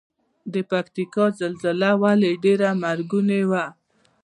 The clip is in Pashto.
د پکتیکا زلزله ولې ډیره مرګونې وه؟